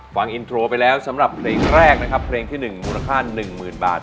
ฟังอินโทรไปแล้วสำหรับเพลงแรกนะครับเพลงที่๑มูลค่า๑๐๐๐บาท